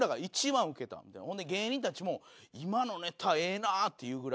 ほんで芸人たちも「今のネタええな」って言うぐらい。